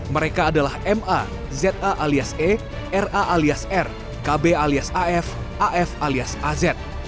mereka adalah ma za alias e ra alias r kb alias af af alias az